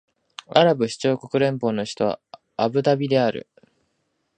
アラブ首長国連邦の首都はアブダビである